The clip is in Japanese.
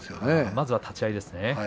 まずは立ち合いですね。